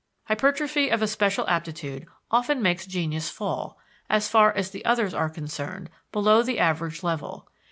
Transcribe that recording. Hypertrophy of a special aptitude often makes genius fall, as far as the others are concerned, below the average level.